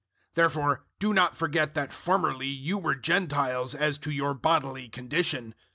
002:011 Therefore, do not forget that formerly you were Gentiles as to your bodily condition.